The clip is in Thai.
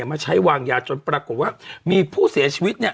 มาใช้วางยาจนปรากฏว่ามีผู้เสียชีวิตเนี่ย